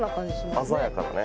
鮮やかだね。